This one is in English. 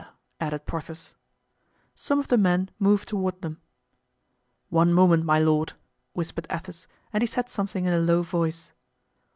added Porthos. Some of the men moved toward them. "One moment, my lord," whispered Athos, and he said something in a low voice.